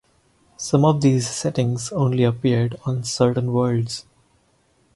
Some of these settings only appeared on certain worlds.